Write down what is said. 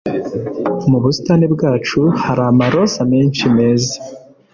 Mu busitani bwacu hari amaroza menshi meza.